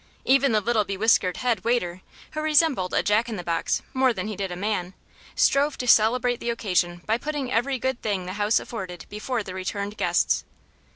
Even the little bewhiskered head waiter, who resembled a jack in the box more than he did a man, strove to celebrate the occasion by putting every good thing the house afforded before the returned guests.